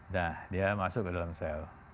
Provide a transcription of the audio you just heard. nah dia masuk ke dalam sel